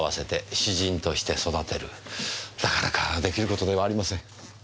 なかなかできることではありません。